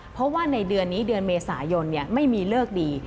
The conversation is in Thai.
เพราะว่าในเดือนนี้เดือนเมษายนไม่มีเลิกดี